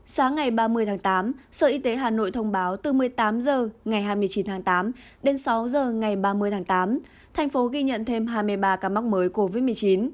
sáng ngày ba mươi tháng tám sở y tế hà nội thông báo từ một mươi tám h ngày hai mươi chín tháng tám đến sáu h ngày ba mươi tháng tám thành phố ghi nhận thêm hai mươi ba ca mắc mới covid một mươi chín